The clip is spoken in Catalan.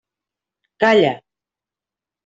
Calle!